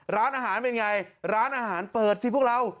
ร้านอาหารเป็นไงร้านอาหารเปิดสิพวกเรา